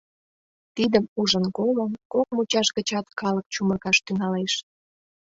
Тидым ужын-колын, кок мучаш гычат калык чумыргаш тӱҥалеш.